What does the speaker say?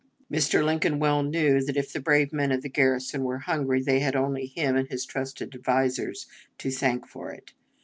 Mr. Lincoln well knew that, if the brave men of the garrison were hungry, they had only him and his trusted advisers to thank for it.